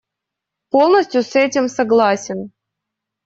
Полностью с этим согласен.